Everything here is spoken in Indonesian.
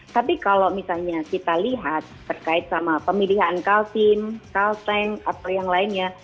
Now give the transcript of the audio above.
tapi kalau misalnya kita lihat terkait sama pemilihan kalsim kalteng atau yang lainnya